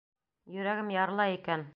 Йөрәгем ярыла икән!..